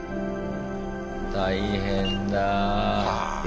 大変だ。